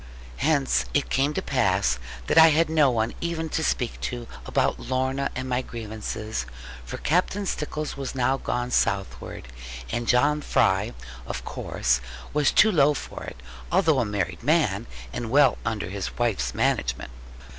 Hence it came to pass that I had no one even to speak to, about Lorna and my grievances; for Captain Stickles was now gone southward; and John Fry, of course, was too low for it, although a married man, and well under his wife's management.